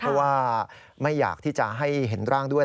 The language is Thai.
เพราะว่าไม่อยากที่จะให้เห็นร่างด้วย